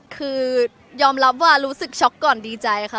คือยอมรับว่ารู้สึกช็อกก่อนดีใจค่ะ